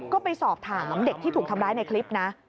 ก็ไปสอบถามเด็กที่ถูกทำร้ายในคลิปนะ